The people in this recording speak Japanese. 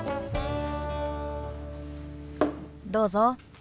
どうぞ。